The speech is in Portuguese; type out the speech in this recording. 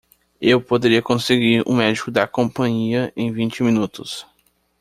Eu poderia conseguir um médico da companhia em vinte minutos.